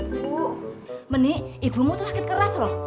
ibu menik ibumu tuh sakit keras loh